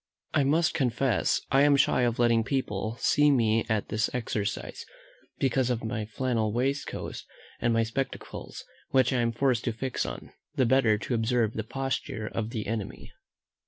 I must confess I am shy of letting people see me at this exercise, because of my flannel waistcoat, and my spectacles, which I am forced to fix on, the better to observe the posture of the enemy.